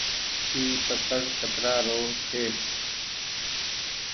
اي پڪڙ ڪترآ رو ڇي۔